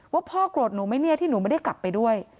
ว่าพ่อโกรธหนูไหมเนี่ยที่หนูไม่ได้กลับไปด้วย